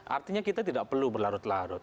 artinya kita tidak perlu berlarut larut